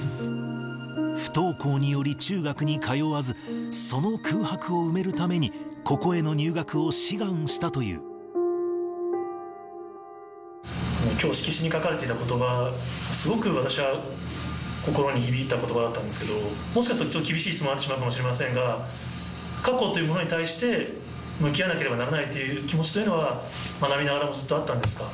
不登校により中学に通わず、その空白を埋めるために、きょう、色紙に書かれていたことば、すごく私は心に響いたことばだったんですけど、もしかするとちょっと厳しい質問になってしまうかもしれませんが、過去というものに対して向き合わなければならないという気持ちというのは、学びながらもずっとあったんですか？